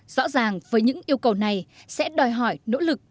rõ ràng với những yêu cầu này sẽ đòi hỏi nỗ lực